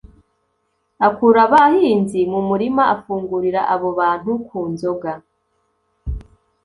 akura abahinzi mu murima, afungurira abo bantu ku nzoga,